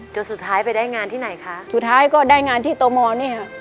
จนสุดท้ายไปได้งานที่ไหนคะสุดท้ายก็ได้งานที่โตมอนี่ค่ะ